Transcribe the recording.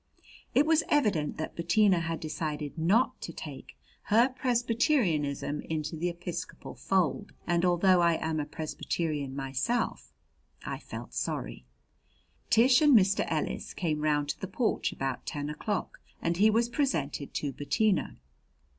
It was evident that Bettina had decided not to take her Presbyterianism into the Episcopal fold. And although I am a Presbyterian myself I felt sorry. Tish and Mr. Ellis came round to the porch about ten o'clock and he was presented to Bettina.